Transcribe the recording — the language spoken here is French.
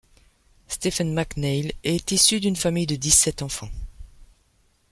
Stephen McNeil est issu d'une famille de dix-sept enfants.